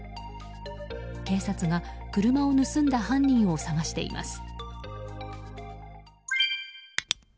警察が車を盗んだ犯人を捜しています。